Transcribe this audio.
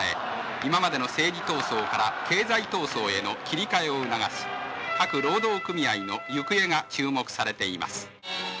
今までの正義闘争から経済闘争への切り替えを促す各労働組合の行方が注目されています。